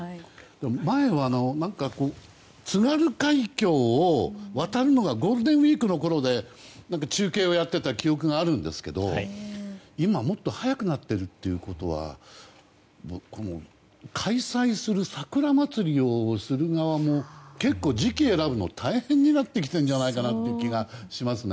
前は津軽海峡を渡るのがゴールデンウィークのころで中継をやっていた記憶があるんですけど今、もっと早くなっているということは桜まつりをする側も結構時期を選ぶのが大変になってるんじゃないかという気がしますね。